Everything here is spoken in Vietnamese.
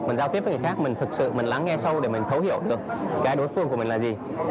mình giao tiếp với người khác mình thực sự mình lắng nghe sâu để mình thấu hiểu được cái đối phương của mình là gì